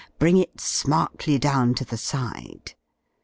Bring it smartly down to the side.